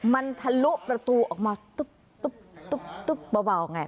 มันทะลุประตูออกมาตุ๊บตุ๊บตุ๊บตุ๊บเบาไง